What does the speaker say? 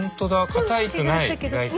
かたくない意外と。